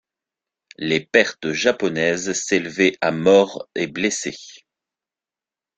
Les pertes japonaises s'élevaient à morts et blessés.